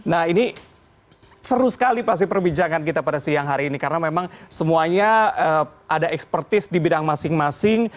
nah ini seru sekali pasti perbincangan kita pada siang hari ini karena memang semuanya ada expertise di bidang masing masing